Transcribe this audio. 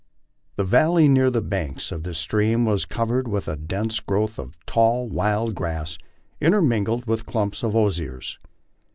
The valley near the banks of this stream was cov ered with a dense growth of tall wild grass intermingled with clumps of osiers.